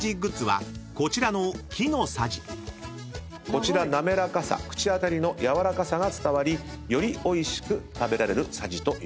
こちら滑らかさ口当たりのやわらかさが伝わりよりおいしく食べられるさじということに。